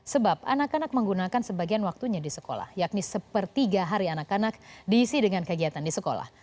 sebab anak anak menggunakan sebagian waktunya di sekolah yakni sepertiga hari anak anak diisi dengan kegiatan di sekolah